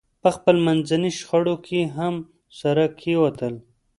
په خپلمنځي شخړو کې هم سره کېوتل.